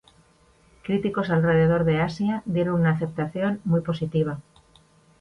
Críticos alrededor de Asia dieron una aceptación muy positiva.